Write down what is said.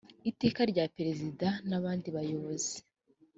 iteka rya perezida n abandi bayobozi